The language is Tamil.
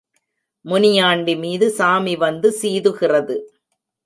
முனியாண்டிமீது சாமி வந்து சீது கிறது.